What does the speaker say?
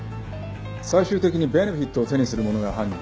最終的にベネフィットを手にする者が犯人。